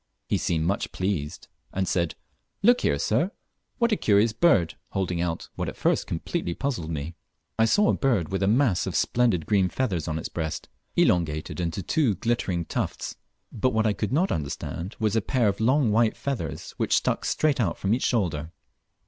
He seemed much pleased, and said, "Look here, sir, what a curious bird," holding out what at first completely puzzled me. I saw a bird with a mass of splendid green feathers on its breast, elongated into two glittering tufts; but, what I could not understand was a pair of long white feathers, which stuck straight out from each shoulder.